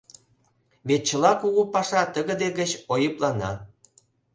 Вет чыла кугу паша тыгыде гыч ойыплана.